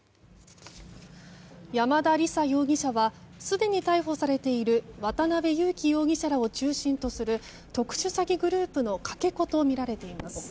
山田李沙容疑者はすでに逮捕されている渡邉優樹容疑者らを中心とする特殊詐欺グループのかけ子とみられています。